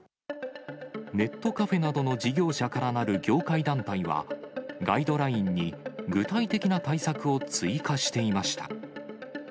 ネットカフェなどの事業者からなる業界団体は、ガイドラインに具体的な対策を追加していました。